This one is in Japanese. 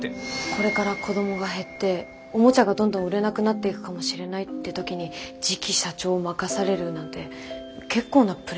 これから子どもが減っておもちゃがどんどん売れなくなっていくかもしれないって時に次期社長を任されるなんて結構なプレッシャーですよね。